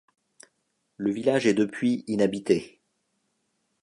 Le village est depuis inhabité.